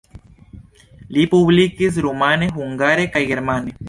Li publikis rumane, hungare kaj germane.